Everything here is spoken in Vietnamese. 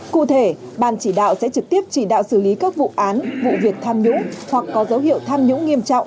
cụ thể ban chỉ đạo sẽ trực tiếp chỉ đạo xử lý các vụ án vụ việc tham nhũng hoặc có dấu hiệu tham nhũng nghiêm trọng